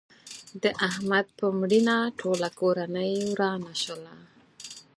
د احمد په مړینه ټوله کورنۍ ورانه شوله.